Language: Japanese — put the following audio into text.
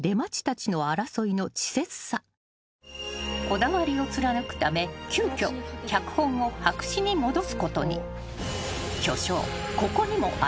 ［こだわりを貫くため急きょ脚本を白紙に戻すことに］